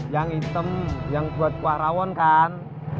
yang hitem yang buat warawan kan